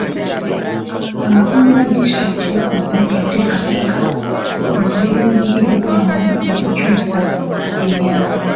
Abakungu ba disitulikiti bakoze enteekateeka eziruubiriddwamu okukyusa ebyalo.